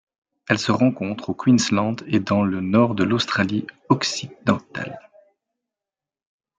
Elle se rencontre au Queensland et dans le Nord de l'Australie-Occidentale.